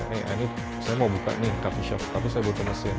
eh ini saya mau buka nih coffee shop tapi saya butuh mesin